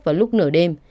vào lúc nửa đêm